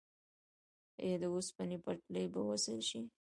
آیا د اوسپنې پټلۍ به وصل شي؟